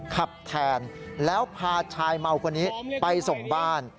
ขับแทนแล้วพาชายเมาคนนี้ไปส่งบ้าน